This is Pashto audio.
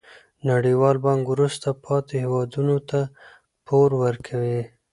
نړیوال بانک وروسته پاتې هیوادونو ته پور ورکوي.